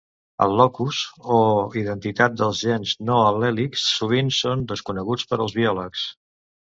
Els locus o identitats dels gens no al·lèlics sovint són desconeguts per als biòlegs.